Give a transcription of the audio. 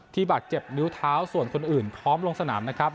บาดเจ็บนิ้วเท้าส่วนคนอื่นพร้อมลงสนามนะครับ